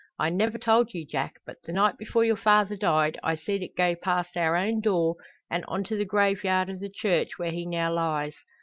I never told you, Jack, but the night before your father died I seed it go past our own door, and on to the graveyard o' the church where he now lies.